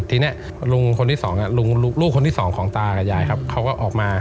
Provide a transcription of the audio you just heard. ทีนี้ลุงคนที่สองลูกคนที่สองของตายายเขาก็ออกมา